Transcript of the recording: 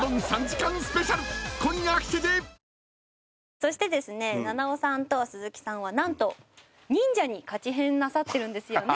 そしてですね菜々緒さんと鈴木さんは何と忍者にカチヘンなさってるんですよね？